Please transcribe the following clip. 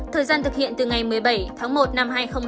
thời gian thực hiện từ ngày một mươi bảy tháng một năm hai nghìn hai mươi